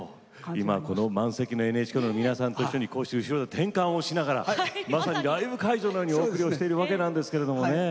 今この満席のＮＨＫホールの皆さんと一緒にこうして後ろで転換をしながらまさにライブ会場のようにお送りをしているわけなんですけれどもね。